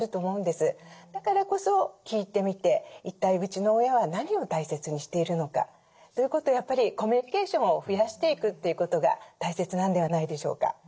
だからこそ聞いてみて一体うちの親は何を大切にしているのかということをやっぱりコミュニケーションを増やしていくということが大切なんではないでしょうか。